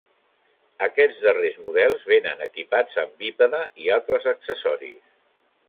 Aquests darrers models vénen equipats amb bípede i altres accessoris.